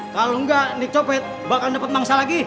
kalau enggak di copet bakal dapet mangsa lagi